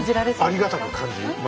ありがたく感じますよ。